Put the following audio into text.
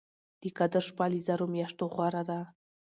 د قدر شپه له زرو مياشتو غوره ده